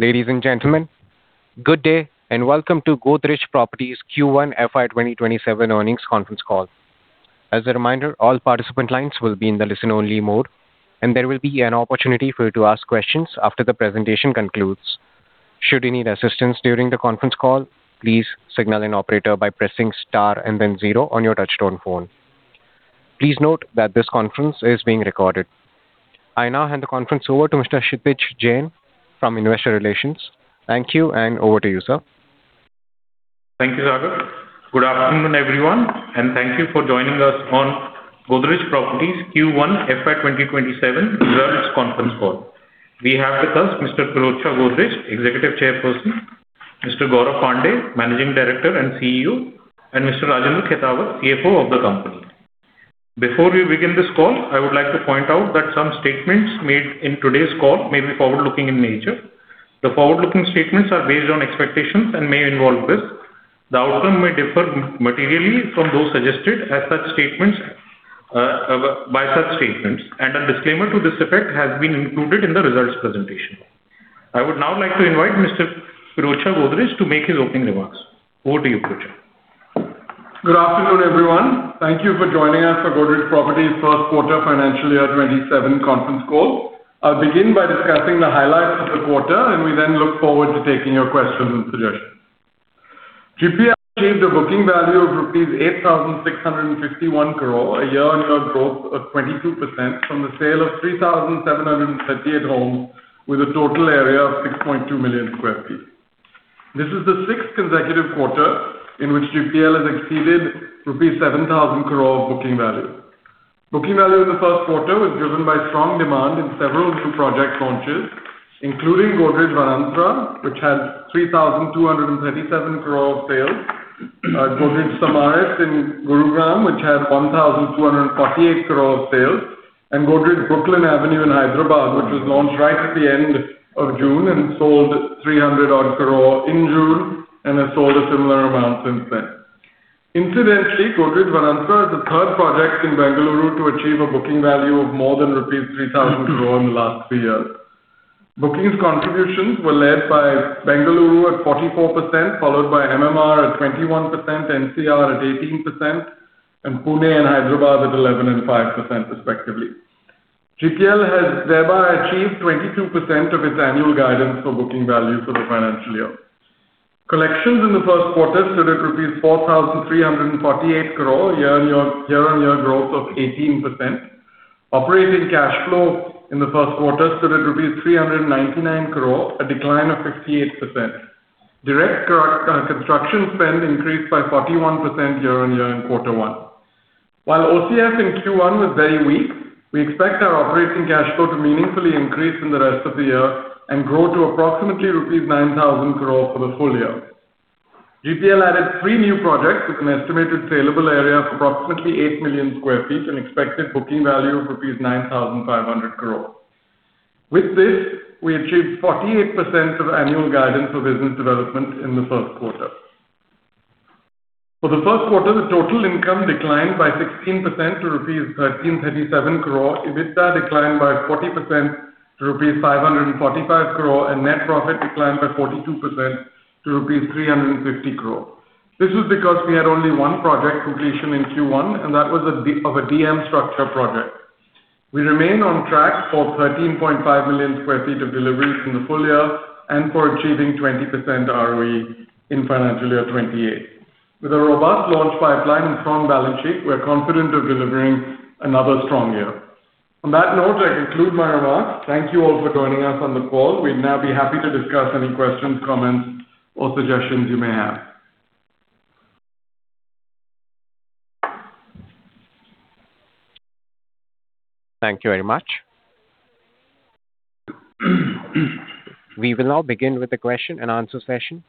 Ladies and gentlemen, good day and welcome to Godrej Properties Q1 FY 2027 earnings conference call. As a reminder, all participant lines will be in the listen-only mode, and there will be an opportunity for you to ask questions after the presentation concludes. Should you need assistance during the conference call, please signal an operator by pressing star and then zero on your touchtone phone. Please note that this conference is being recorded. I now hand the conference over to Mr. Kshitij Jain from Investor Relations. Thank you, and over to you, sir. Thank you, Raghav. Good afternoon, everyone, and thank you for joining us on Godrej Properties Q1 FY 2027 results conference call. We have with us Mr. Pirojsha Godrej, Executive Chairperson, Mr. Gaurav Pandey, Managing Director and CEO, and Mr. Rajendra Khetawat, CFO of the company. Before we begin this call, I would like to point out that some statements made in today's call may be forward-looking in nature. The forward-looking statements are based on expectations and may involve risk. The outcome may differ materially from those suggested by such statements, and a disclaimer to this effect has been included in the results presentation. I would now like to invite Mr. Pirojsha Godrej to make his opening remarks. Over to you, Pirojsha. Good afternoon, everyone. Thank you for joining us for Godrej Properties' first quarter FY 2027 conference call. I'll begin by discussing the highlights of the quarter, and we then look forward to taking your questions and suggestions. GPL achieved a booking value of rupees 8,651 crore, a year-on-year growth of 22% from the sale of 3,738 homes with a total area of 6.2 million square feet. This is the sixth consecutive quarter in which GPL has exceeded 7,000 crore rupees of booking value. Booking value in the first quarter was driven by strong demand in several new project launches, including Godrej Vanantara, which had 3,237 crore of sales, Godrej Samaris in Gurugram, which had 1,248 crore of sales, and Godrej Brooklyn Avenue in Hyderabad, which was launched right at the end of June and sold 300 odd crore in June and has sold a similar amount since then. Incidentally, Godrej Vanantara is the third project in Bengaluru to achieve a booking value of more than rupees 3,000 crore in the last three years. Bookings contributions were led by Bengaluru at 44%, followed by MMR at 21%, NCR at 18%, and Pune and Hyderabad at 11% and 5% respectively. GPL has thereby achieved 22% of its annual guidance for booking value for the financial year. Collections in the first quarter stood at rupees 4,348 crore, year-on-year growth of 18%. Operating cash flow in the first quarter stood at 399 crore, a decline of 58%. Direct construction spend increased by 41% year-on-year in Q1. While OCF in Q1 was very weak, we expect our operating cash flow to meaningfully increase in the rest of the year and grow to approximately rupees 9,000 crore for the full year. GPL added three new projects with an estimated saleable area of approximately 8 million square feet and expected booking value of rupees 9,500 crore. With this, we achieved 48% of annual guidance for business development in the first quarter. For the first quarter, the total income declined by 16% to rupees 1,337 crore. EBITDA declined by 40% to rupees 545 crore, and net profit declined by 42% to rupees 350 crore. This is because we had only one project completion in Q1, and that was of a DM structure project. We remain on track for 13.5 million square feet of deliveries in the full year and for achieving 20% ROE in FY 2028. With a robust launch pipeline and strong balance sheet, we're confident of delivering another strong year. On that note, I conclude my remarks. Thank you all for joining us on the call. We'd now be happy to discuss any questions, comments, or suggestions you may have. Thank you very much. We will now begin with the question and answer session.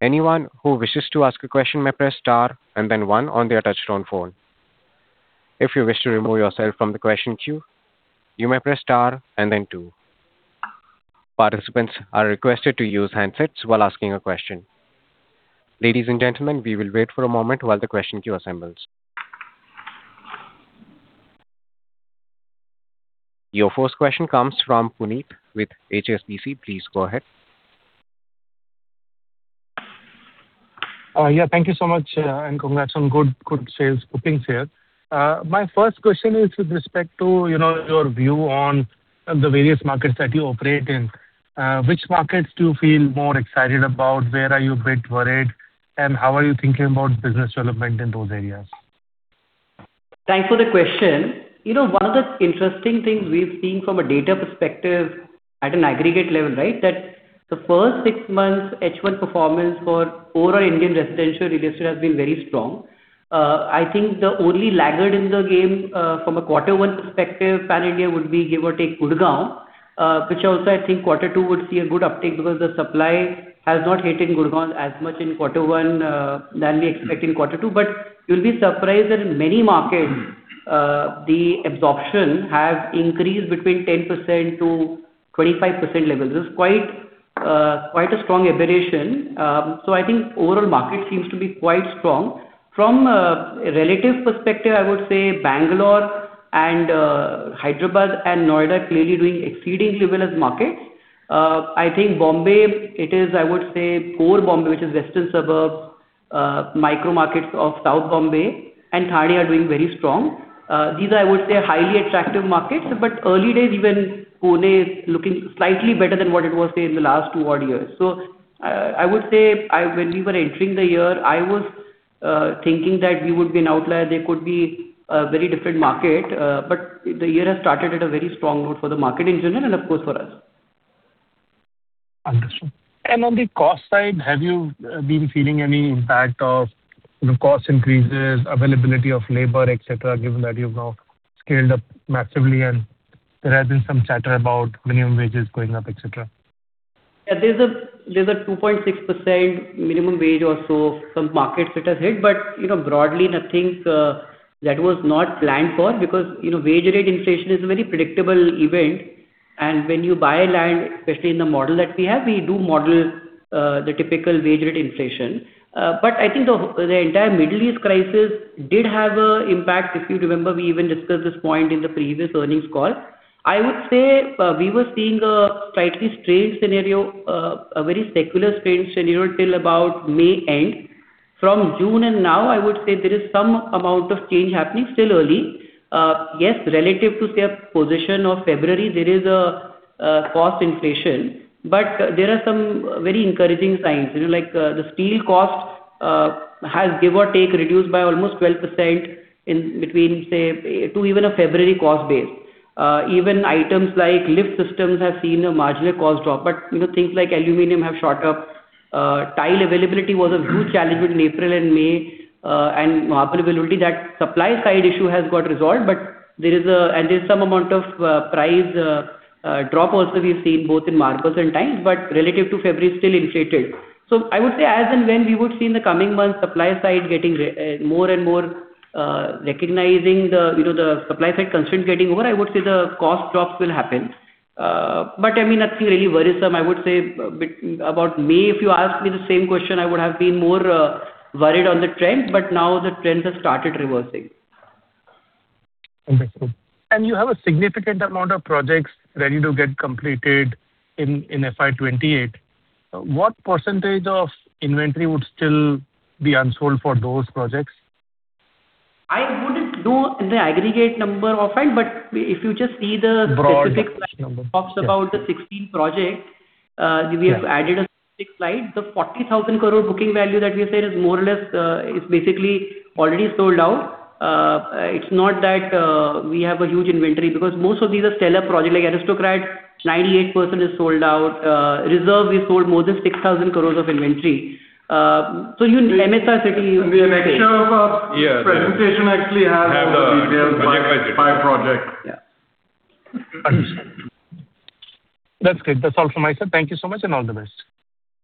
Anyone who wishes to ask a question may press star and then one on their touchtone phone. If you wish to remove yourself from the question queue, you may press star and then two. Participants are requested to use handsets while asking a question. Ladies and gentlemen, we will wait for a moment while the question queue assembles. Your first question comes from Puneet with HSBC. Please go ahead. Yeah. Thank you so much, congrats on good sales bookings here. My first question is with respect to your view on the various markets that you operate in. Which markets do you feel more excited about? Where are you a bit worried, and how are you thinking about business development in those areas? Thanks for the question. One of the interesting things we've seen from a data perspective at an aggregate level, right? The first six months H1 performance for overall Indian residential real estate has been very strong. I think the only laggard in the game, from a quarter one perspective, pan-India, would be give or take Gurgaon, which also I think quarter two would see a good uptake because the supply has not hit in Gurgaon as much in quarter one than we expect in quarter two. You'll be surprised that in many markets, the absorption has increased between 10%-25% level. This is quite a strong aberration. I think overall market seems to be quite strong. From a relative perspective, I would say Bangalore and Hyderabad and Noida clearly doing exceedingly well as markets. I think Bombay, it is, I would say, core Bombay, which is western suburbs, micro markets of South Bombay and Thane are doing very strong. These I would say are highly attractive markets, but early days even Pune is looking slightly better than what it was, say, in the last two odd years. I would say when we were entering the year, I was thinking that we would be an outlier. There could be a very different market. The year has started at a very strong route for the market in general, and of course for us. Understood. On the cost side, have you been feeling any impact of cost increases, availability of labor, et cetera, given that you've now scaled up massively and there has been some chatter about minimum wages going up, et cetera? Yeah, there's a 2.6% minimum wage or so, some markets it has hit, but broadly nothing that was not planned for because wage rate inflation is a very predictable event. When you buy land, especially in the model that we have, we do model the typical wage rate inflation. I think the entire Middle East crisis did have an impact. If you remember, we even discussed this point in the previous earnings call. I would say we were seeing a slightly strained scenario, a very secular strained scenario till about May end. June and now, I would say there is some amount of change happening, still early. Yes, relative to, say, a position of February, there is a cost inflation. There are some very encouraging signs. The steel cost has give or take reduced by almost 12% in between, say, to even a February cost base. Even items like lift systems have seen a marginal cost drop. Things like aluminum have shot up. Tile availability was a huge challenge in April and May. Marble availability, that supply side issue has got resolved, and there's some amount of price drop also we've seen both in marbles and tiles. Relative to February, still inflated. I would say as and when we would see in the coming months supply side getting more and more recognizing the supply side constraint getting over, I would say the cost drops will happen. I mean, nothing really worrisome, I would say about May, if you ask me the same question, I would have been more worried on the trend, but now the trend has started reversing. Understood. You have a significant amount of projects ready to get completed in FY 2028. What percentage of inventory would still be unsold for those projects? I wouldn't know the aggregate number of it, if you just see the specific- Broad number. Talks about the 16 projects we have added on the sixth slide. The 40,000 crore booking value that we said is more or less, is basically already sold out. It's not that we have a huge inventory because most of these are stellar projects. Like Aristocrat, 98% is sold out. Reserve, we sold more than 6,000 crore of inventory. The next show for presentation actually has all the details by project. Yeah. Understood. That's good. That's all from my side. Thank you so much and all the best.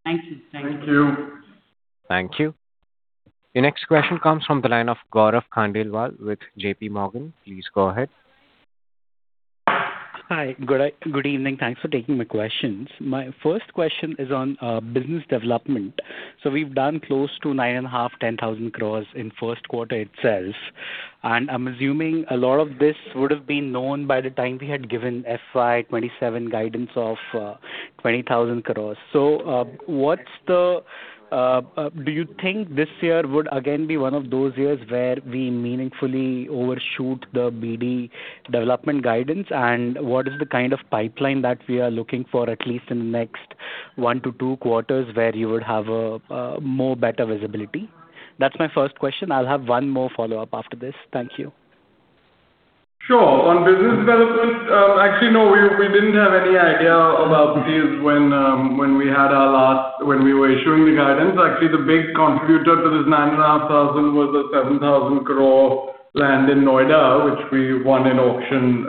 Thank you. Thank you. Thank you. Your next question comes from the line of Gaurav Khandelwal with JPMorgan. Please go ahead. Hi. Good evening. Thanks for taking my questions. My first question is on business development. We've done close to 9,500 crore, 10,000 crore in first quarter itself, and I'm assuming a lot of this would've been known by the time we had given FY 2027 guidance of 20,000 crore. Do you think this year would again be one of those years where we meaningfully overshoot the BD development guidance, and what is the kind of pipeline that we are looking for at least in the next one to two quarters where you would have a more better visibility? That's my first question. I'll have one more follow-up after this. Thank you. Sure. On business development, actually, no, we didn't have any idea about these when we were issuing the guidance. Actually, the big contributor to this 9,500 crore was the 7,000 crore land in Noida, which we won in auction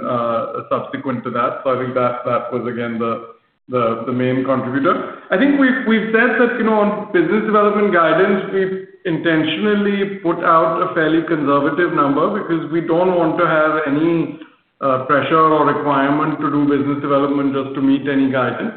subsequent to that. I think that was again the main contributor. I think we've said that on business development guidance, we've intentionally put out a fairly conservative number because we don't want to have any pressure or requirement to do business development just to meet any guidance.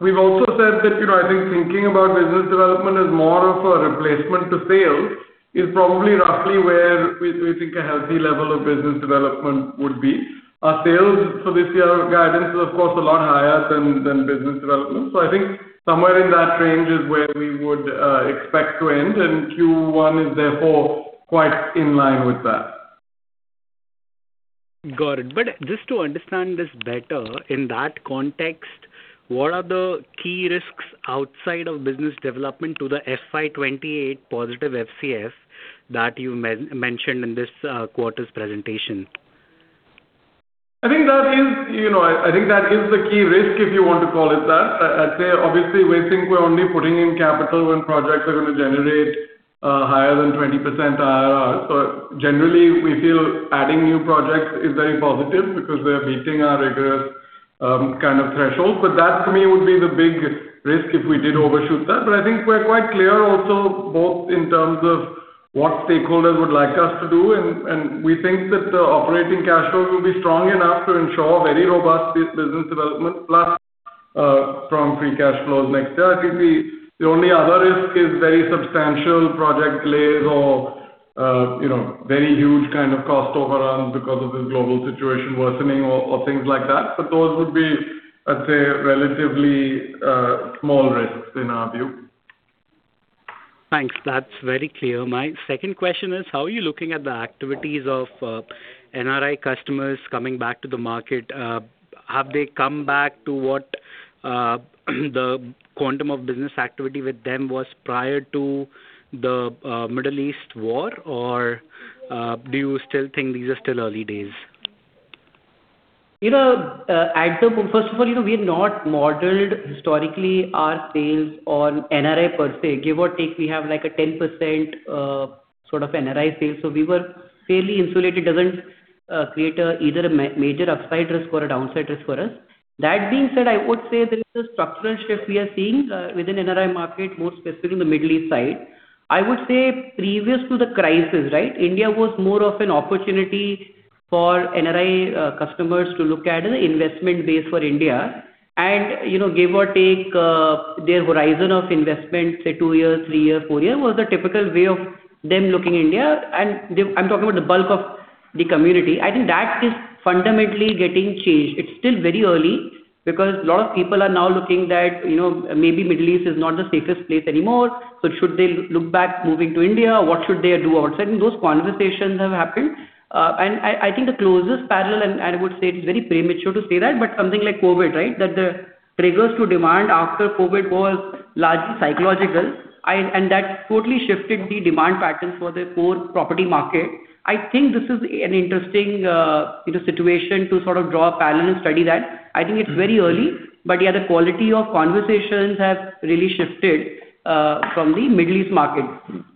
We've also said that, I think thinking about business development as more of a replacement to sales is probably roughly where we think a healthy level of business development would be. Our sales for this year guidance is of course, a lot higher than business development. I think somewhere in that range is where we would expect to end, and Q1 is therefore quite in line with that. Got it. Just to understand this better, in that context, what are the key risks outside of business development to the FY 2028 positive FCF that you mentioned in this quarter's presentation? I think that is the key risk, if you want to call it that. I'd say obviously we think we're only putting in capital when projects are going to generate higher than 20% IRR. Generally we feel adding new projects is very positive because we are meeting our rigorous kind of threshold. That to me would be the big risk if we did overshoot that. I think we're quite clear also, both in terms of what stakeholders would like us to do, and we think that the operating cash flow will be strong enough to ensure a very robust business development platform from free cash flows next year. The only other risk is very substantial project delays or very huge kind of cost overruns because of the global situation worsening or things like that. Those would be, let's say, relatively small risks in our view. Thanks. That's very clear. My second question is, how are you looking at the activities of NRI customers coming back to the market? Have they come back to what the quantum of business activity with them was prior to the Middle East war, or do you still think these are still early days? First of all, we've not modeled historically our sales on NRI per se. Give or take, we have like a 10% sort of NRI sales. We were fairly insulated. It doesn't create either a major upside risk or a downside risk for us. That being said, I would say there is a structural shift we are seeing within NRI market, more specifically in the Middle East side. I would say previous to the crisis, India was more of an opportunity for NRI customers to look at as an investment base for India. Give or take, their horizon of investment, say two years, three years, four years, was the typical way of them looking India. I'm talking about the bulk of the community. I think that is fundamentally getting changed. It's still very early because a lot of people are now looking that maybe Middle East is not the safest place anymore, so should they look back moving to India? What should they do outside? Those conversations have happened. I think the closest parallel, and I would say it's very premature to say that, but something like COVID. The triggers to demand after COVID was largely psychological, and that totally shifted the demand patterns for the core property market. I think this is an interesting situation to sort of draw a parallel and study that. I think it's very early, but yeah, the quality of conversations have really shifted from the Middle East market.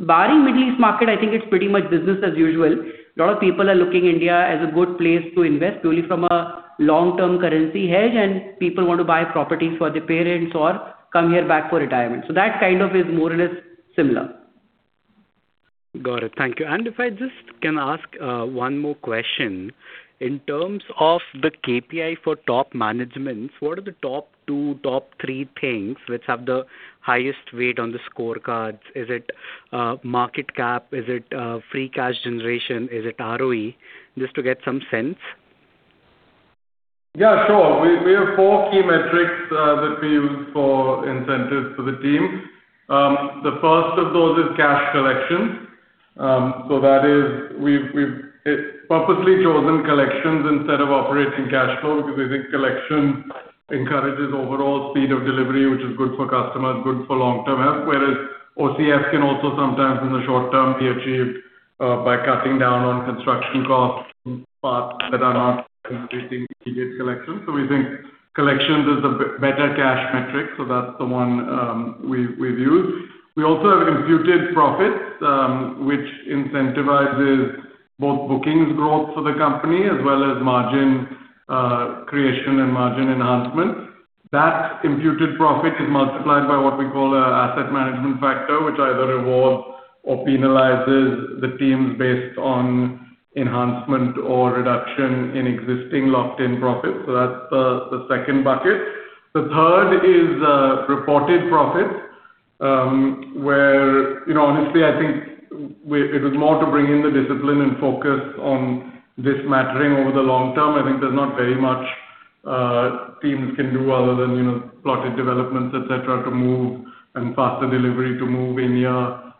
Barring Middle East market, I think it's pretty much business as usual. A lot of people are looking India as a good place to invest purely from a long-term currency hedge, and people want to buy properties for their parents or come here back for retirement. That kind of is more or less similar. Got it. Thank you. If I just can ask one more question. In terms of the KPI for top management, what are the top two, top three things which have the highest weight on the scorecards? Is it market cap? Is it free cash generation? Is it ROE? Just to get some sense. Yeah, sure. We have four key metrics that we use for incentives for the teams. The first of those is cash collection. We've purposely chosen collections instead of operating cash flow because we think collection encourages overall speed of delivery, which is good for customers, good for long-term health. Whereas OCF can also sometimes in the short term be achieved by cutting down on construction costs in parts that are not increasing immediate collections. We think collections is a better cash metric, so that's the one we've used. We also have imputed profits, which incentivizes both bookings growth for the company as well as margin creation and margin enhancements. That imputed profit is multiplied by what we call our asset management factor, which either rewards or penalizes the teams based on enhancement or reduction in existing locked-in profits. That's the second bucket. The third is reported profits, where honestly, I think it was more to bring in the discipline and focus on this mattering over the long term. I think there's not very much teams can do other than plotted developments, et cetera, to move and faster delivery to move in the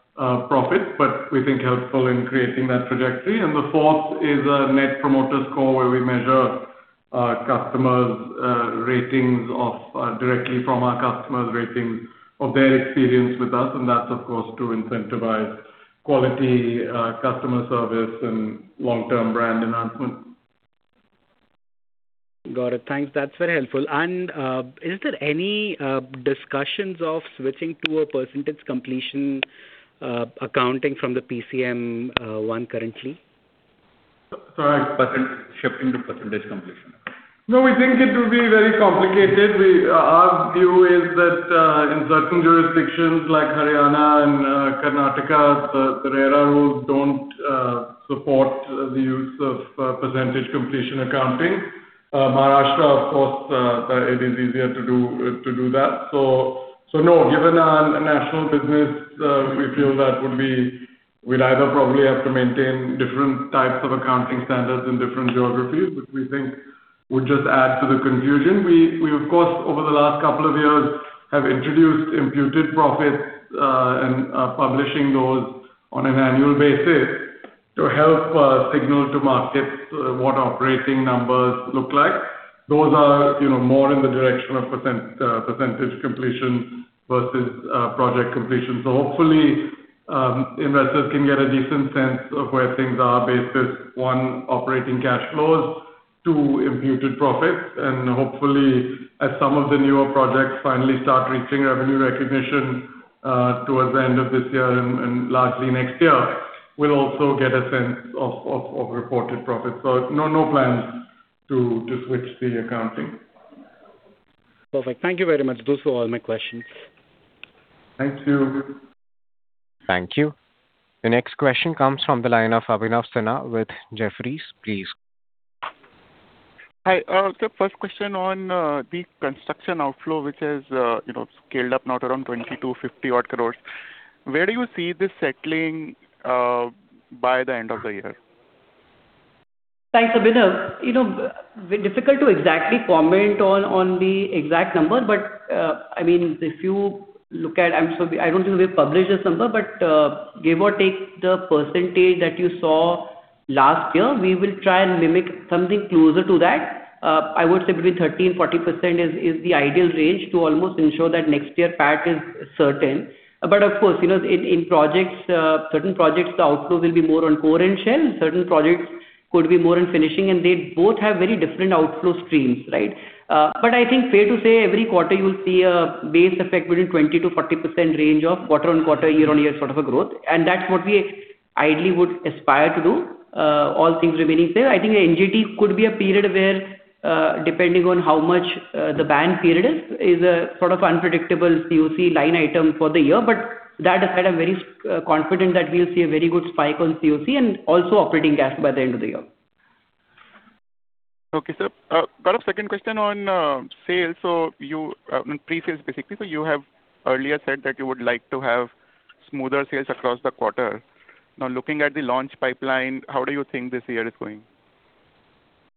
profits, but we think helpful in creating that trajectory. The fourth is a Net Promoter Score where we measure directly from our customers' ratings of their experience with us, and that's of course to incentivize quality customer service and long-term brand enhancement. Got it. Thanks. That's very helpful. Is there any discussions of switching to a percentage completion accounting from the PCM one currently? Sorry? Shifting to percentage completion. We think it will be very complicated. Our view is that in certain jurisdictions like Haryana and Karnataka, the RERA rules don't support the use of percentage completion accounting. Maharashtra, of course, it is easier to do that. Given a national business, we feel that we'd either probably have to maintain different types of accounting standards in different geographies, which we think would just add to the confusion. We, of course, over the last couple of years have introduced imputed profits, and are publishing those on an annual basis to help signal to markets what our operating numbers look like. Those are more in the direction of percentage completion versus project completion. Hopefully, investors can get a decent sense of where things are based as, one, operating cash flows, two, imputed profits. Hopefully, as some of the newer projects finally start reaching revenue recognition towards the end of this year and largely next year, we'll also get a sense of reported profits. No plans to switch the accounting. Perfect. Thank you very much. Those were all my questions. Thank you. Thank you. The next question comes from the line of Abhinav Sinha with Jefferies. Please go on. Hi. Sir, first question on the construction outflow, which has scaled up now to around 2,250 odd crores. Where do you see this settling by the end of the year? Thanks, Abhinav. Very difficult to exactly comment on the exact number, if you look at, I don't think we've published this number, but give or take the percentage that you saw last year, we will try and mimic something closer to that. I would say between 13%-40% is the ideal range to almost ensure that next year PAT is certain. Of course, in certain projects, the outflow will be more on core and shell. Certain projects could be more in finishing, and they both have very different outflow streams, right? I think fair to say, every quarter you'll see a base effect between 20%-40% range of quarter-on-quarter, year-on-year sort of a growth. That's what we ideally would aspire to do, all things remaining still. I think NGT could be a period where, depending on how much the ban period is a sort of unpredictable COC line item for the year. That aside, I'm very confident that we'll see a very good spike on COC and also operating cash by the end of the year. Okay, sir. Got a second question on pre-sales, basically. You have earlier said that you would like to have smoother sales across the quarter. Now, looking at the launch pipeline, how do you think this year is going?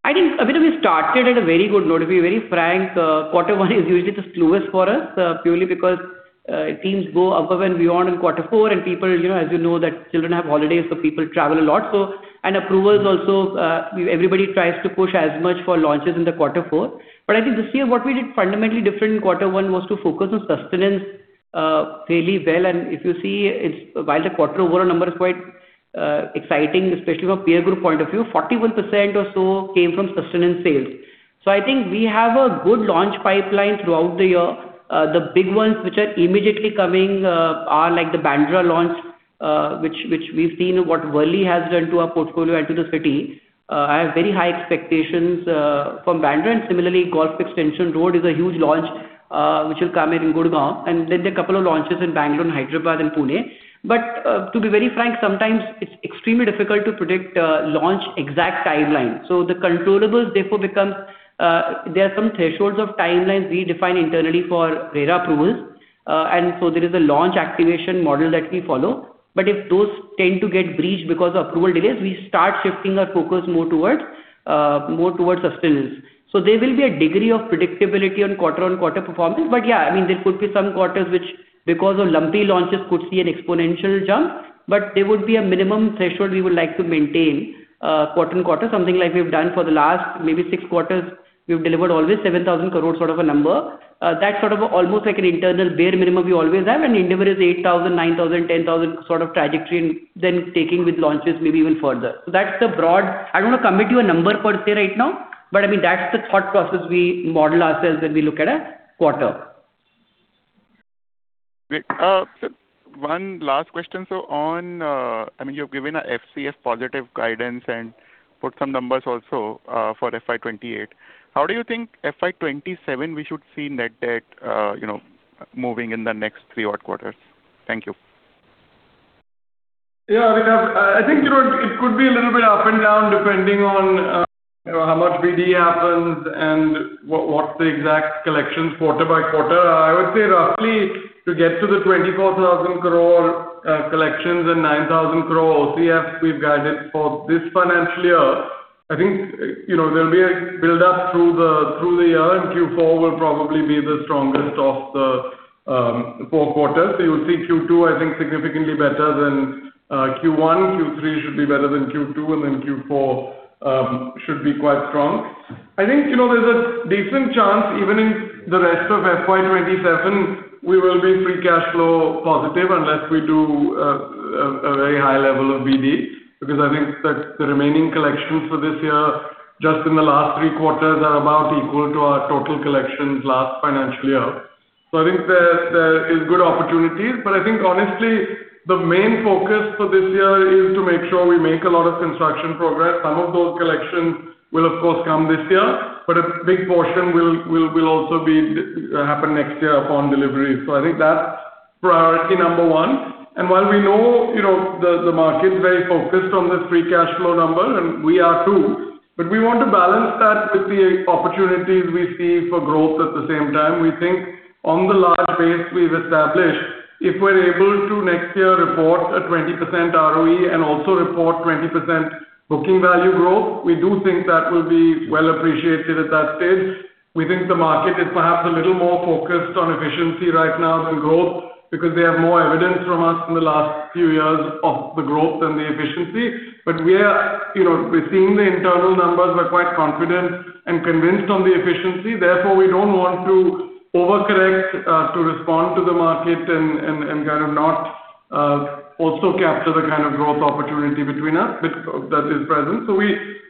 I think, Abhinav, we started at a very good note. To be very frank, quarter one is usually the slowest for us, purely because teams go above and beyond in quarter four, and as you know, children have holidays, so people travel a lot. Approvals also, everybody tries to push as much for launches in the quarter four. I think this year, what we did fundamentally different in quarter one was to focus on sustenance fairly well. If you see, while the quarter overall number is quite exciting, especially from a peer group point of view, 41% or so came from sustenance sales. I think we have a good launch pipeline throughout the year. The big ones which are immediately coming are the Bandra launch which we've seen what Worli has done to our portfolio and to the city. I have very high expectations from Bandra, and similarly, Golf Course Extension Road is a huge launch which will come in Gurgaon, and then there are a couple of launches in Bangalore, and Hyderabad, and Pune. To be very frank, sometimes it's extremely difficult to predict a launch exact timeline. The controllables, therefore, there are some thresholds of timelines we define internally for RERA approvals, there is a launch activation model that we follow. If those tend to get breached because of approval delays, we start shifting our focus more towards sustenance. There will be a degree of predictability on quarter-on-quarter performance. Yeah, there could be some quarters which, because of lumpy launches, could see an exponential jump, but there would be a minimum threshold we would like to maintain quarter-on-quarter. Something like we've done for the last maybe six quarters. We've delivered always 7,000 crore sort of a number. That's sort of almost like an internal bare minimum we always have, and endeavor is 8,000 crore, 9,000 crore, 10,000 crore sort of trajectory, and then taking with launches maybe even further. That's the broad. I don't want to commit you a number per se right now, that's the thought process we model ourselves when we look at a quarter. Great. Sir, one last question, you've given a FCF positive guidance and put some numbers also for FY 2028. How do you think FY 2027 we should see net debt moving in the next three odd quarters? Thank you. Abhinav, I think it could be a little bit up and down, depending on how much BD happens and what's the exact collections quarter-by-quarter. I would say roughly to get to the 24,000 crore collections and 9,000 crore OCF we've guided for this financial year, I think there'll be a build-up through the year, Q4 will probably be the strongest of the four quarters. You'll see Q2, I think, significantly better than Q1. Q3 should be better than Q2, Q4 should be quite strong. I think there's a decent chance, even in the rest of FY 2027, we will be free cash flow positive unless we do a very high level of BD, because I think that the remaining collections for this year, just in the last three quarters, are about equal to our total collections last financial year. I think there is good opportunities, but I think honestly, the main focus for this year is to make sure we make a lot of construction progress. Some of those collections will, of course, come this year, but a big portion will also happen next year upon delivery. I think that's priority number one. While we know the market is very focused on this free cash flow number, and we are too, but we want to balance that with the opportunities we see for growth at the same time. We think on the large base we've established, if we're able to next year report a 20% ROE and also report 20% booking value growth, we do think that will be well appreciated at that stage. We think the market is perhaps a little more focused on efficiency right now than growth, because they have more evidence from us in the last few years of the growth than the efficiency. We're seeing the internal numbers. We're quite confident and convinced on the efficiency. Therefore, we don't want to over-correct to respond to the market and kind of not also capture the kind of growth opportunity between us that is present.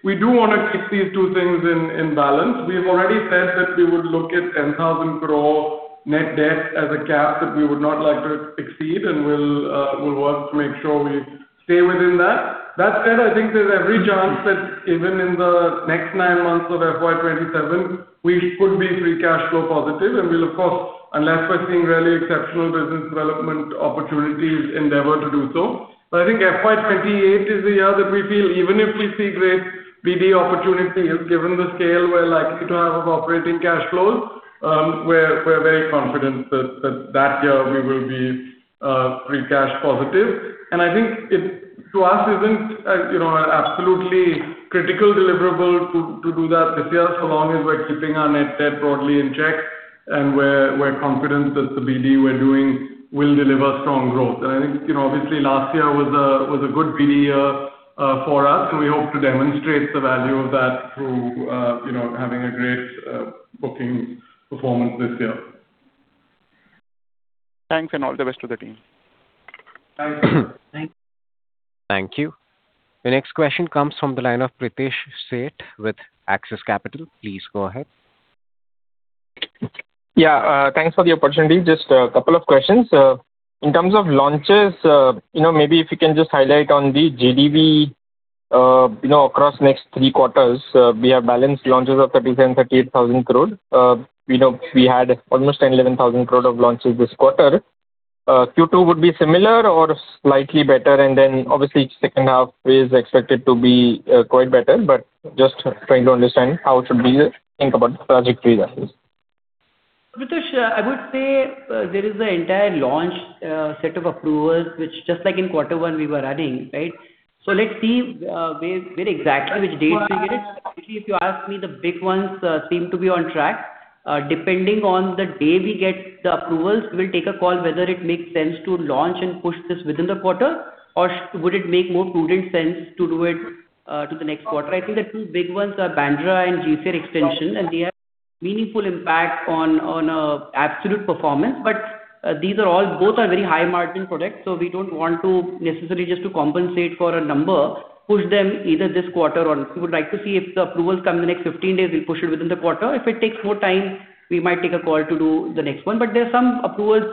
We do want to keep these two things in balance. We've already said that we would look at 10,000 crore net debt as a gap that we would not like to exceed, and we'll work to make sure we stay within that. That said, I think there's every chance that even in the next nine months of FY 2027, we could be free cash flow positive, and we'll of course, unless we're seeing really exceptional business development opportunities, endeavor to do so. I think FY 2028 is the year that we feel, even if we see great BD opportunity, given the scale we're likely to have of operating cash flows, we're very confident that that year we will be free cash positive. I think it, to us, isn't an absolutely critical deliverable to do that this year so long as we're keeping our net debt broadly in check and we're confident that the BD we're doing will deliver strong growth. I think, obviously last year was a good BD year for us, so we hope to demonstrate the value of that through having a great booking performance this year. Thanks, all the best to the team. Thanks. Thank you. The next question comes from the line of Pritesh Sheth with Axis Capital. Please go ahead. Yeah. Thanks for the opportunity. Just a couple of questions. In terms of launches, maybe if you can just highlight on the GDV across the next three quarters, we have balanced launches of 37,000 crore-38,000 crore. We had almost 11,000 crore of launches this quarter. Q2 would be similar or slightly better, and then obviously each second half is expected to be quite better. Just trying to understand how it should be, think about the trajectory that is. Pritesh, I would say there is an entire launch set of approvals, which just like in quarter one we were adding, right? Let's see where exactly, which dates we get it. Actually, if you ask me, the big ones seem to be on track. Depending on the day we get the approvals, we will take a call whether it makes sense to launch and push this within the quarter or would it make more prudent sense to do it to the next quarter. I think the two big ones are Bandra and GCR Extension, and they have a meaningful impact on absolute performance. Both are very high-margin products, so we don't want to necessarily just to compensate for a number, push them either this quarter. We would like to see if the approvals come the next 15 days, we will push it within the quarter. If it takes more time, we might take a call to do the next one. There are some approvals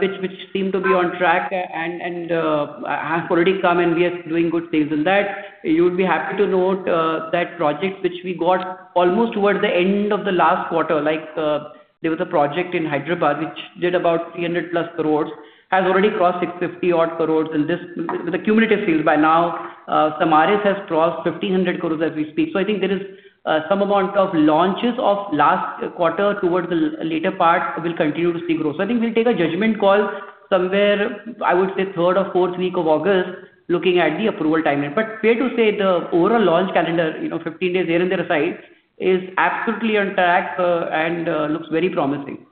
which seem to be on track and have already come, and we are doing good things in that. You would be happy to note that projects which we got almost towards the end of the last quarter, like there was a project in Hyderabad which did about 300+ crore, has already crossed 650-odd crore in the cumulative sales by now. Samaris has crossed 1,500 crore as we speak. I think there is some amount of launches of last quarter towards the later part will continue to see growth. I think we will take a judgment call somewhere, I would say, third or fourth week of August, looking at the approval timing. Fair to say, the overall launch calendar, 15 days here and there aside, is absolutely on track and looks very promising.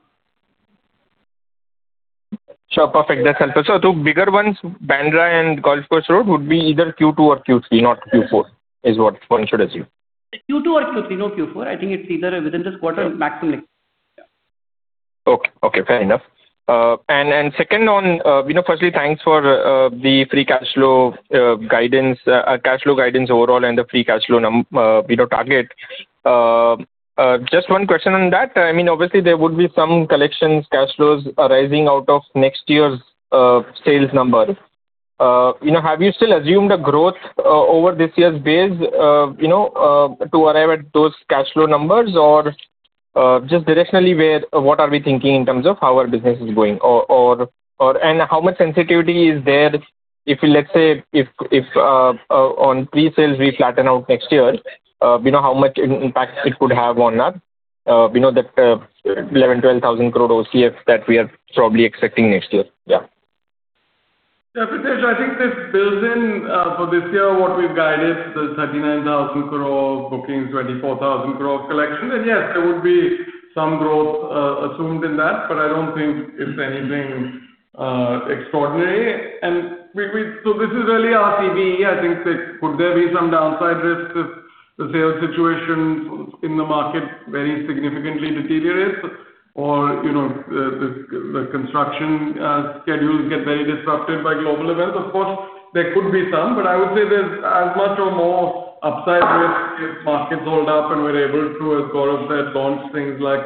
Sure. Perfect. That's helpful. The bigger ones, Bandra and Golf Course Road, would be either Q2 or Q3, not Q4. Yes. That is what one should assume. Q2 or Q3, no Q4. I think it's either within this quarter or maximum next. Okay. Fair enough. Firstly, thanks for the free cash flow guidance, cash flow guidance overall, and the free cash flow target. Just one question on that. Obviously, there would be some collections, cash flows arising out of next year's sales number. Have you still assumed a growth over this year's base to arrive at those cash flow numbers? Just directionally, what are we thinking in terms of how our business is going? How much sensitivity is there if, let's say, on pre-sales, we flatten out next year, how much impact it could have on that 11,000 crore-12,000 crore OCF that we are probably expecting next year. Yeah. Yeah, Pritesh, I think this builds in for this year what we've guided, the 39,000 crore bookings, 24,000 crore collection. Yes, there would be some growth assumed in that, but I don't think it's anything extraordinary. This is really our CBE. I think, could there be some downside risk if the sales situation in the market very significantly deteriorates or the construction schedules get very disrupted by global events? Of course, there could be some. I would say there's as much or more upside risk if markets hold up and we're able to, as Gaurav said, launch things like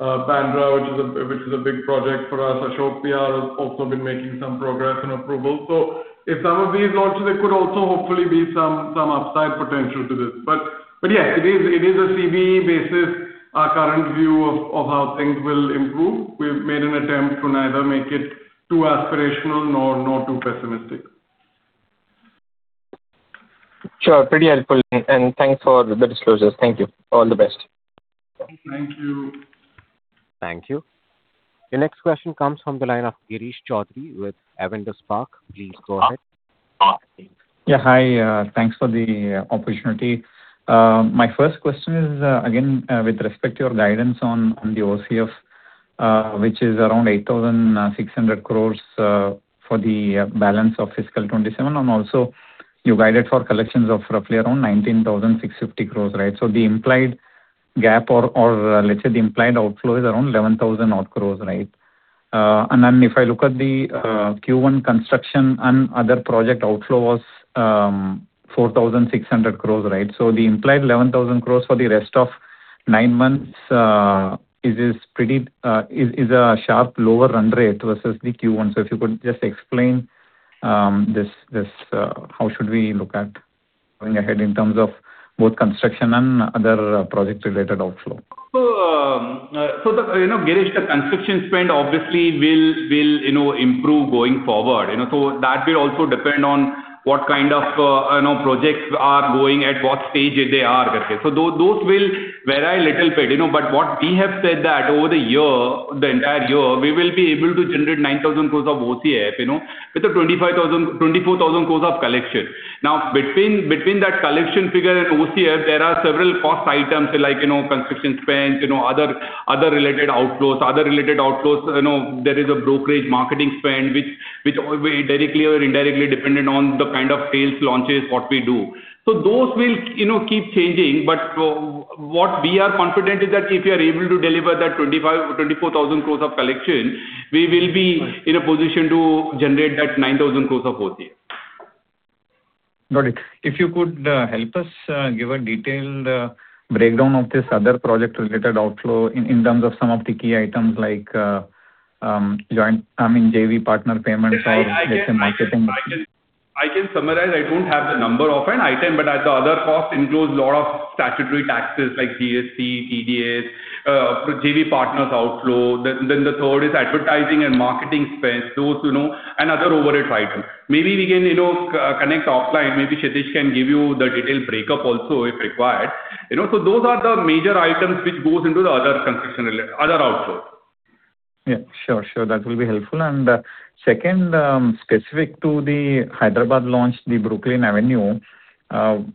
Bandra, which is a big project for us. Ashok Vihar has also been making some progress and approvals. If some of these launches, there could also hopefully be some upside potential to this. Yeah, it is a CBE basis, our current view of how things will improve. We've made an attempt to neither make it too aspirational nor too pessimistic. Sure. Pretty helpful. Thanks for the disclosures. Thank you. All the best. Thank you. Thank you. The next question comes from the line of Girish Choudhary with Avendus Spark. Please go ahead. Yeah. Hi. Thanks for the opportunity. My first question is, again, with respect to your guidance on the OCF, which is around 8,600 crores for the balance of fiscal 2027, and also you guided for collections of roughly around 19,650 crores, right? The implied gap or, let's say, the implied outflow is around 11,000 odd crores, right? If I look at the Q1 construction and other project outflow was 4,600 crores. The implied 11,000 crores for the rest of nine months is a sharp lower run rate versus the Q1. If you could just explain how should we look at going ahead in terms of both construction and other projects related outflow? Girish, the construction spend obviously will improve going forward. That will also depend on what kind of projects are going, at what stages they are. Those will vary a little bit. What we have said that over the entire year, we will be able to generate 9,000 crores of OCF, with a 24,000 crores of collection. Now, between that collection figure and OCF, there are several cost items like construction spends, other related outflows. Other related outflows, there is a brokerage marketing spend, which are directly or indirectly dependent on the kind of sales launches what we do. Those will keep changing, but what we are confident is that if we are able to deliver that 24,000 crores of collection, we will be in a position to generate that 9,000 crores of OCF. Got it. If you could help us give a detailed breakdown of this other project-related outflow in terms of some of the key items like JV partner payments or let's say marketing. I can summarize, I don't have the number of an item, but the other cost includes lot of statutory taxes like GST, TDS, JV partners outflow. The third is advertising and marketing spend, those, and other overhead items. Maybe we can connect offline. Maybe Satish can give you the detailed breakup also, if required. Those are the major items which goes into the other outflow. Yeah. Sure. That will be helpful. Second, specific to the Hyderabad launch, the Brooklyn Avenue, the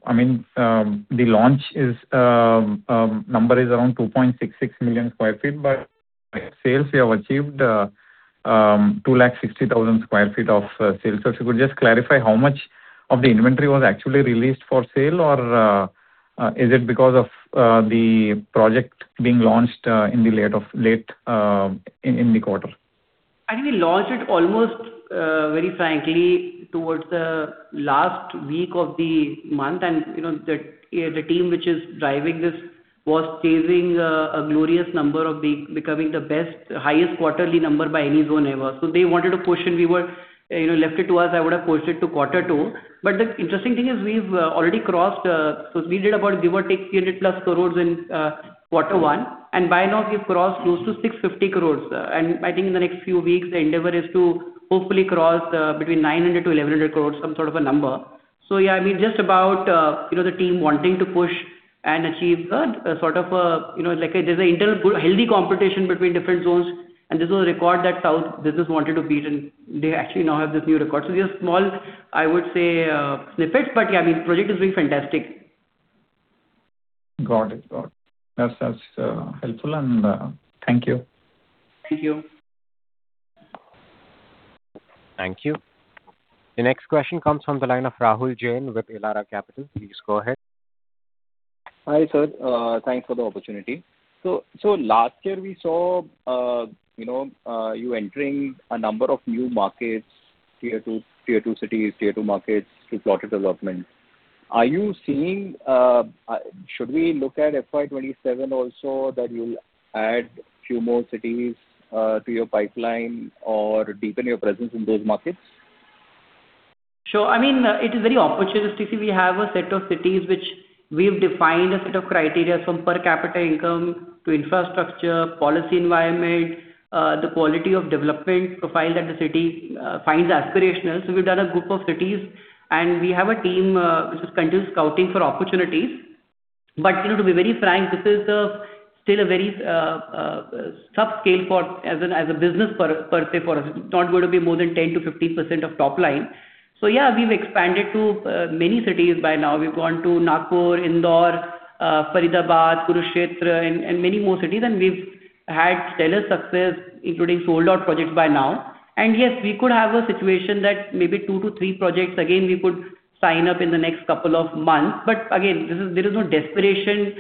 launch number is around 2.66 million square feet, but sales you have achieved 260,000 square feet of sales. If you could just clarify how much of the inventory was actually released for sale or is it because of the project being launched in the late in the quarter? Actually, we launched it almost, very frankly, towards the last week of the month. The team which is driving this was chasing a glorious number of becoming the best, highest quarterly number by any zone ever. They wanted to push, and left it to us, I would have pushed it to quarter two. The interesting thing is we've already crossed, we did about give or take 300+ crores in quarter one, and by now we've crossed close to 650 crores. I think in the next few weeks, the endeavor is to hopefully cross between 900-1,100 crores, some sort of a number. Yeah, just about the team wanting to push and achieve. There's a healthy competition between different zones, and this was a record that south business wanted to beat, and they actually now have this new record. Just small, I would say, snippets, yeah, the project is doing fantastic. Got it. That's helpful, and thank you. Thank you. Thank you. The next question comes from the line of Rahul Jain with Elara Capital. Please go ahead. Hi, sir. Thanks for the opportunity. Last year we saw you entering a number of new markets, tier 2 cities, tier 2 markets through plotted developments. Should we look at FY 2027 also that you'll add few more cities to your pipeline or deepen your presence in those markets? Sure. It is very opportunistic. We have a set of cities which we've defined a set of criteria from per capita income to infrastructure, policy environment, the quality of development profile that the city finds aspirational. We've done a group of cities, and we have a team which is continuously scouting for opportunities. To be very frank, this is still a very tough scale as a business per se for us. It's not going to be more than 10%-15% of top line. Yeah, we've expanded to many cities by now. We've gone to Nagpur, Indore, Faridabad, Kurukshetra, and many more cities. We've had stellar success, including sold-out projects by now. Yes, we could have a situation that maybe two to three projects again, we could sign up in the next couple of months. Again, there is no desperation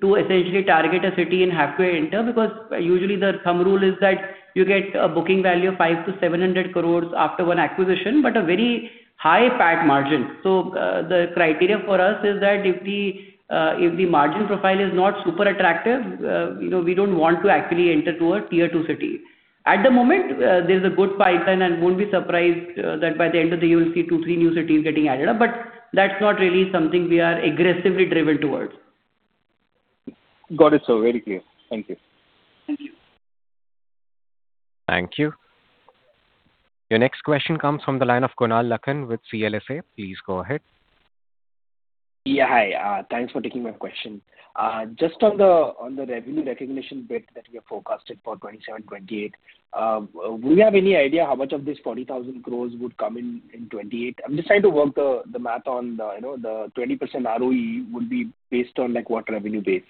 to essentially target a city and have to enter, because usually the thumb rule is that you get a booking value of 500 crore to 700 crore after one acquisition, but a very high PAT margin. The criteria for us is that if the margin profile is not super attractive, we don't want to actually enter to a tier 2 city. At the moment, there's a good pipeline, and won't be surprised that by the end of the year you'll see two, three new cities getting added up, but that's not really something we are aggressively driven towards. Got it, sir. Very clear. Thank you. Thank you. Thank you. Your next question comes from the line of Kunal Lakhan with CLSA. Please go ahead. Yeah, hi. Thanks for taking my question. Just on the revenue recognition bit that we have forecasted for 2027-2028. Do we have any idea how much of this 40,000 crore would come in 2028? I am just trying to work the math on the 20% ROE would be based on what revenue base?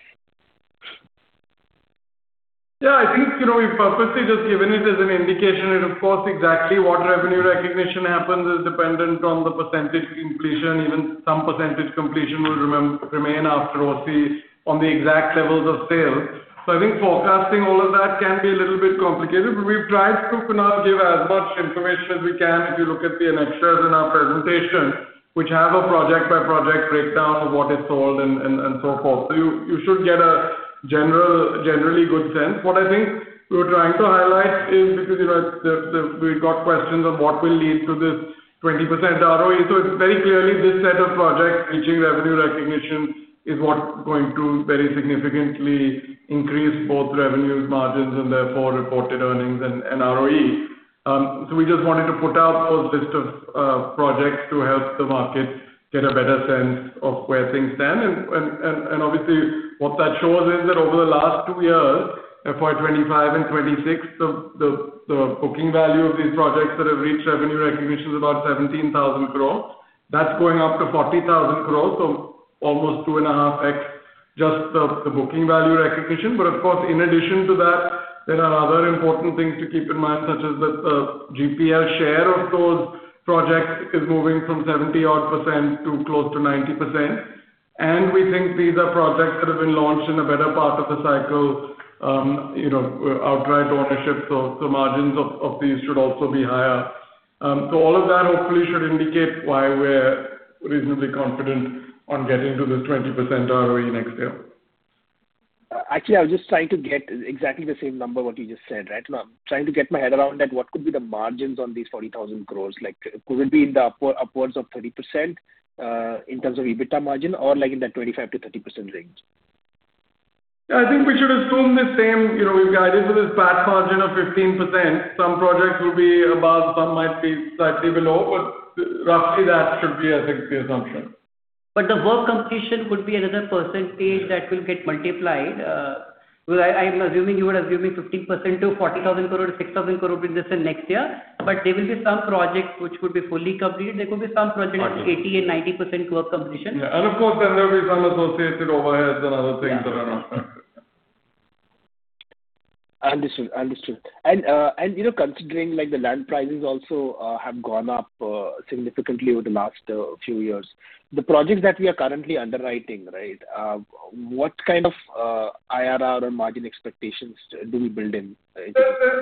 Yeah, I think we've purposely just given it as an indication. Of course, exactly what revenue recognition happens is dependent on the percentage completion. Even some percentage completion will remain after OC on the exact levels of sales. I think forecasting all of that can be a little bit complicated, but we've tried to now give as much information as we can, if you look at the annexures in our presentation, which have a project-by-project breakdown of what is sold and so forth. You should get a generally good sense. What I think we were trying to highlight is, because we've got questions on what will lead to this 20% ROE. It's very clearly this set of projects reaching revenue recognition is what's going to very significantly increase both revenues, margins, and therefore reported earnings and ROE. We just wanted to put out those list of projects to help the market get a better sense of where things stand. Obviously, what that shows is that over the last two years, FY 2025 and 2026, the booking value of these projects that have reached revenue recognition is about 17,000 crore. That's going up to 40,000 crore. Almost 2.5x just the booking value recognition. Of course, in addition to that, there are other important things to keep in mind, such as the GPL share of those projects is moving from 70%-odd to close to 90%. We think these are projects that have been launched in a better part of the cycle, outright ownership, so the margins of these should also be higher. All of that hopefully should indicate why we're reasonably confident on getting to this 20% ROE next year. Actually, I was just trying to get exactly the same number what you just said. I'm trying to get my head around that what could be the margins on these 40,000 crores. Could it be in the upwards of 30% in terms of EBITDA margin or like in that 25%-30% range? Yeah, I think we should assume the same. We've guided to this PAT margin of 15%. Some projects will be above, some might be slightly below, but roughly that should be, I think, the assumption. The work completion could be another percentage that will get multiplied. I'm assuming you were assuming 15% to 40,000 crore, 6,000 crore business in next year. There will be some projects which could be fully completed. Partially. 80% and 90% work completion. Yeah. Of course, then there will be some associated overheads and other things that are not. Understood. Considering the land prices also have gone up significantly over the last few years. The projects that we are currently underwriting, what kind of IRR or margin expectations do we build in? There's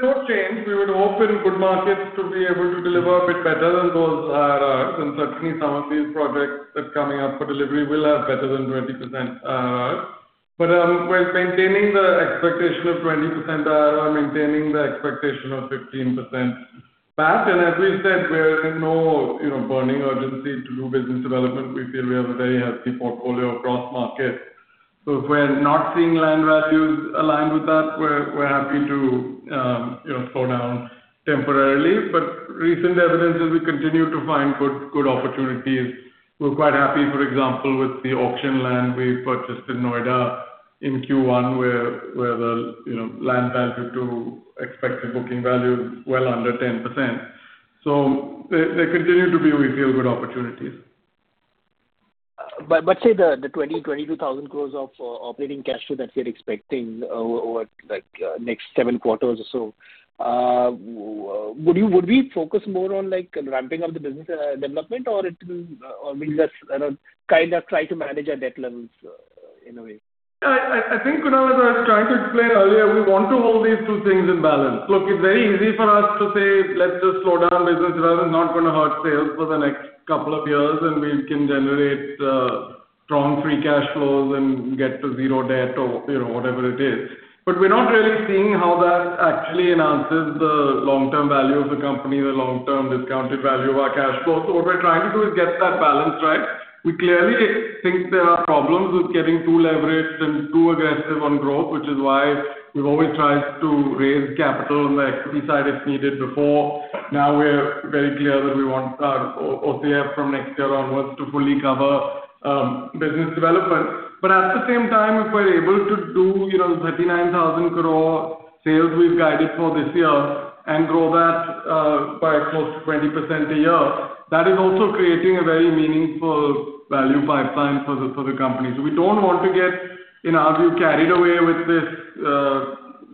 no change. We would hope in good markets to be able to deliver a bit better than those IRRs, certainly some of these projects that's coming up for delivery will have better than 20% IRRs. We're maintaining the expectation of 20% IRR, maintaining the expectation of 15% PAT. As we said, we're in no burning urgency to do business development. We feel we have a very healthy portfolio across markets. If we're not seeing land values aligned with that, we're happy to slow down temporarily. Recent evidence is we continue to find good opportunities. We're quite happy, for example, with the auction land we purchased in Noida in Q1 where the land value to expected booking value is well under 10%. There continue to be, we feel, good opportunities. Say the 20,000 crore-22,000 crore of operating cash flow that we are expecting over next seven quarters or so. Would we focus more on ramping up the business development or we just try to manage our debt levels in a way? I think, Kunal, as I was trying to explain earlier, we want to hold these two things in balance. Look, it's very easy for us to say, let's just slow down business development. It's not going to hurt sales for the next couple of years, and we can generate strong free cash flows and get to zero debt or whatever it is. We're not really seeing how that actually enhances the long-term value of the company, the long-term discounted value of our cash flow. What we're trying to do is get that balance right. We clearly think there are problems with getting too leveraged and too aggressive on growth, which is why we've always tried to raise capital on the equity side if needed before. Now we're very clear that we want our OCF from next year onwards to fully cover business development. At the same time, if we're able to do 39,000 crore sales we've guided for this year and grow that by close to 20% a year, that is also creating a very meaningful value pipeline for the company. We don't want to get carried away with this,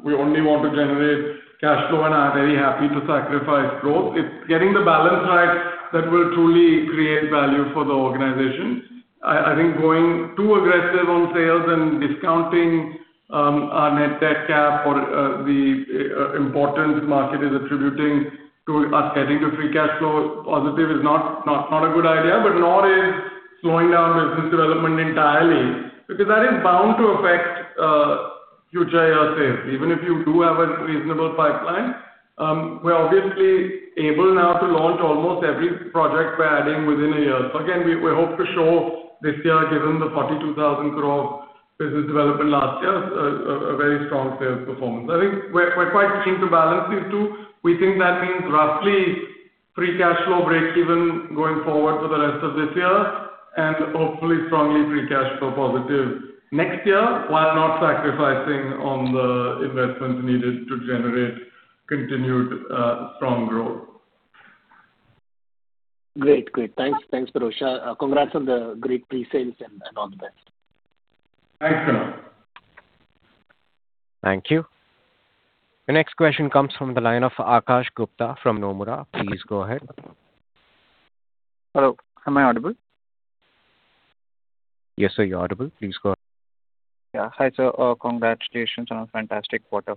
we only want to generate cash flow and are very happy to sacrifice growth. It's getting the balance right that will truly create value for the organization. I think going too aggressive on sales and discounting our net debt CAP or the importance market is attributing to us getting to free cash flow positive is not a good idea, but nor is slowing down business development entirely, because that is bound to affect future IR sales, even if you do have a reasonable pipeline. We're obviously able now to launch almost every project we're adding within a year. Again, we hope to show this year, given the 42,000 crore business development last year, a very strong sales performance. I think we're quite keen to balance these two. We think that means roughly free cash flow breakeven going forward for the rest of this year, and hopefully strongly free cash flow positive next year, while not sacrificing on the investments needed to generate continued strong growth. Great. Thanks, Pirojsha. Congrats on the great pre-sales, and all the best. Thanks, Kunal. Thank you. The next question comes from the line of Akash Gupta from Nomura. Please go ahead. Hello, am I audible? Yes, sir, you are audible. Please go ahead. Hi, sir. Congratulations on a fantastic quarter.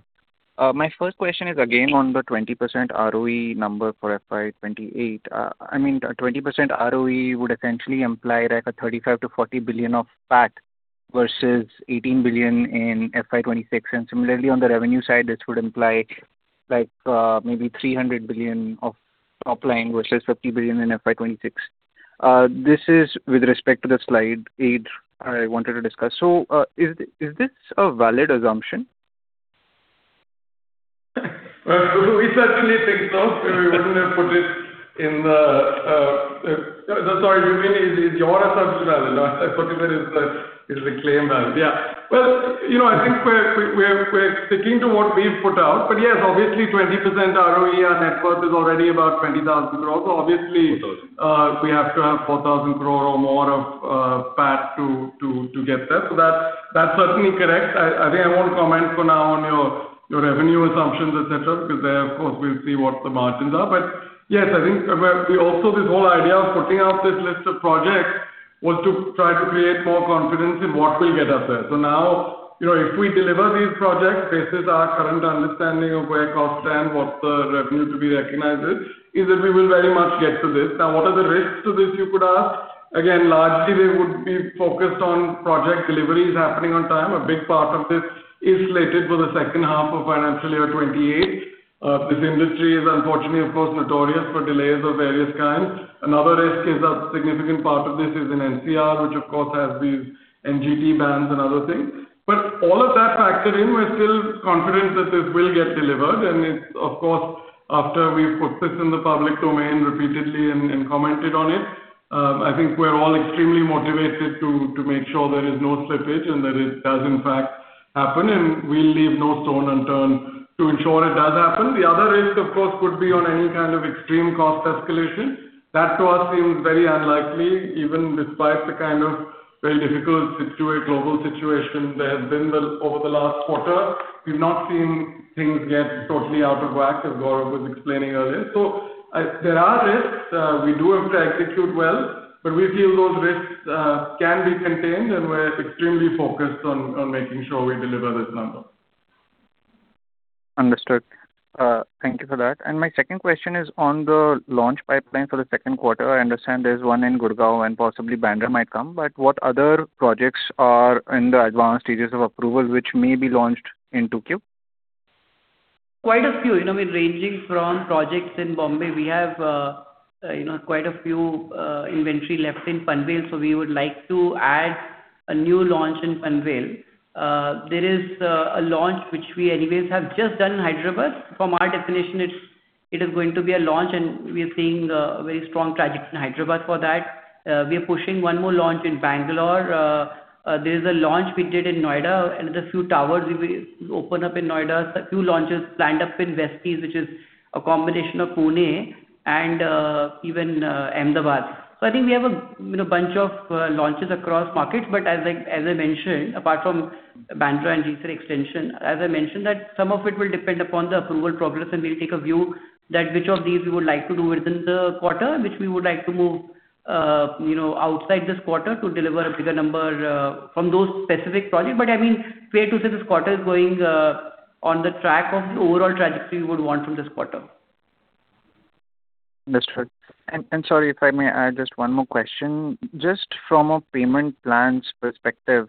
My first question is again on the 20% ROE number for FY 2028. 20% ROE would essentially imply 35 billion-40 billion of PAT versus 18 billion in FY 2026. Similarly, on the revenue side, this would imply maybe 300 billion of top line versus 50 billion in FY 2026. This is with respect to the slide eight I wanted to discuss. Is this a valid assumption? Well, we certainly think so. Sorry, you mean is your assumption valid? Not that particular is the claim valid. Well, I think we are sticking to what we have put out. Yes, obviously, 20% ROE, our net worth is already about 20,000 crores. Obviously,- 4,000. We have to have 4,000 crore or more of PAT to get there. That is certainly correct. I think I will not comment for now on your revenue assumptions, et cetera, because there, of course, we will see what the margins are. Yes, I think also this whole idea of putting out this list of projects was to try to create more confidence in what will get us there. Now, if we deliver these projects versus our current understanding of where costs stand, what the revenue to be recognized is that we will very much get to this. What are the risks to this, you could ask. Largely, they would be focused on project deliveries happening on time. A big part of this is slated for the second half of financial year 2028. This industry is unfortunately, of course, notorious for delays of various kinds. Another risk is a significant part of this is in NCR, which of course has these NGT bans and other things. But all of that factored in, we're still confident that this will get delivered. It's, of course, after we've put this in the public domain repeatedly and commented on it. I think we're all extremely motivated to make sure there is no slippage and that it does in fact happen, and we'll leave no stone unturned to ensure it does happen. The other risk, of course, could be on any kind of extreme cost escalation. That to us seems very unlikely, even despite the kind of very difficult global situation there has been over the last quarter. We've not seen things get totally out of whack, as Gaurav was explaining earlier. There are risks. We do have to execute well, but we feel those risks can be contained, and we're extremely focused on making sure we deliver this number. Understood. Thank you for that. My second question is on the launch pipeline for the second quarter. I understand there's one in Gurugram and possibly Bandra might come, but what other projects are in the advanced stages of approval, which may be launched in 2Q? Quite a few. Ranging from projects in Bombay, we have quite a few inventory left in Panvel, so we would like to add a new launch in Panvel. There is a launch which we anyways have just done in Hyderabad. From our definition, it is going to be a launch, and we are seeing a very strong traction in Hyderabad for that. We are pushing one more launch in Bangalore. There's a launch we did in Noida, another few towers we will open up in Noida. A few launches planned up in Westies, which is a combination of Pune and even Ahmedabad. I think we have a bunch of launches across markets, but as I mentioned, apart from Bandra and GCR extension, as I mentioned that some of it will depend upon the approval progress, and we'll take a view that which of these we would like to do within the quarter, which we would like to move outside this quarter to deliver a bigger number from those specific projects. Fair to say, this quarter is going on the track of the overall trajectory we would want from this quarter. Understood. Sorry if I may add just one more question. Just from a payment plans perspective,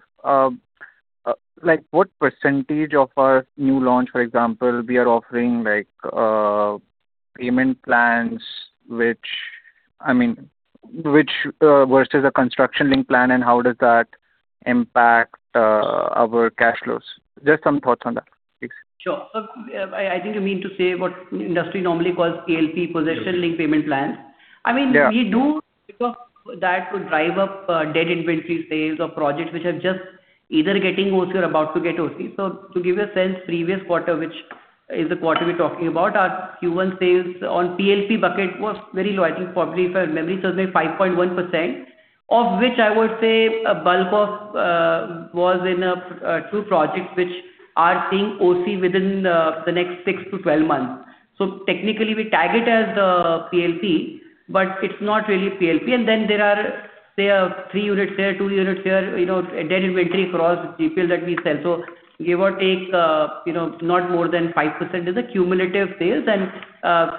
what percentage of our new launch, for example, we are offering payment plans versus a construction link plan, and how does that impact our cash flows? Just some thoughts on that, please. Sure. I think you mean to say what industry normally calls PLP, possession linked payment plans. Yeah. We do pick up that to drive up dead inventory sales or projects which are just either getting OC or about to get OC. To give you a sense, previous quarter, which is the quarter we're talking about, our Q1 sales on PLP bucket was very low. I think probably, if my memory serves me, 5.1%, of which I would say a bulk was in two projects which are seeing OC within the next 6-12 months. Technically, we tag it as a PLP, but it's not really PLP. Then there are, say, three units here, two units here, dead inventory across GPL that we sell. Give or take, not more than 5%. There is a cumulative sales and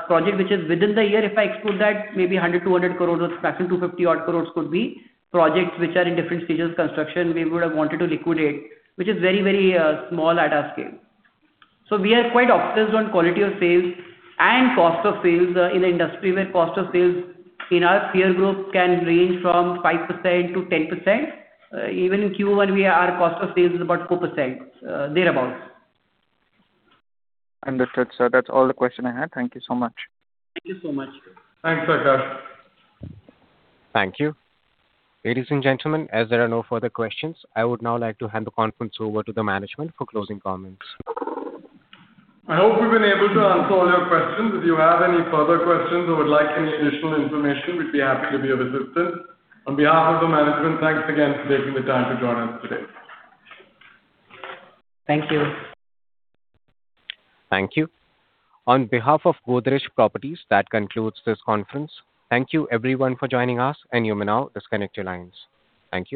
project which is within the year, if I exclude that, maybe 100 crores, 200 crores or maximum 250-odd crores could be projects which are in different stages of construction we would have wanted to liquidate, which is very small at our scale. We are quite obsessed on quality of sales and cost of sales in an industry where cost of sales in our peer group can range from 5%-10%. Even in Q1, our cost of sales is about 4%, thereabout. Understood, sir. That's all the question I had. Thank you so much. Thank you so much. Thanks, Akash. Thank you. Ladies and gentlemen, as there are no further questions, I would now like to hand the conference over to the management for closing comments. I hope we've been able to answer all your questions. If you have any further questions or would like any additional information, we'd be happy to be of assistance. On behalf of the management, thanks again for taking the time to join us today. Thank you. Thank you. On behalf of Godrej Properties, that concludes this conference. Thank you everyone for joining us, and you may now disconnect your lines. Thank you.